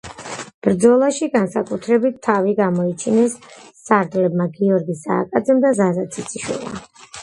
ბრძოლაში განსაკუთრებით თავი გამოიჩინეს სარდლებმა გიორგი სააკაძემ და ზაზა ციციშვილმა.